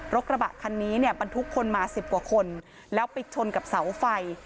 รถกระบะคันนี้เนี่ยปันทุกคนมาสิบกว่าคนแล้วปิดชนกับเสาไฟ